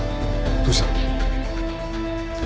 どうした。